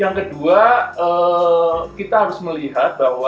yang kedua kita harus melihat bahwa